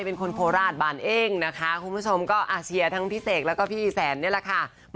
เป็นคนโคราชบานเองนะคะคุณผู้ชมก็เชียร์ทั้งพี่เสกแล้วก็พี่แสนนี่แหละค่ะ